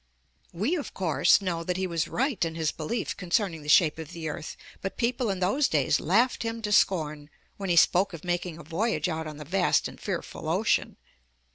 We, of course, know that he was right in his belief 206 UP ONE PAIR OF STAIRS concerning the shape of the earth, but people in those days laughed him to scorn, when he spoke of making a voyage out on the vast and fearful ocean.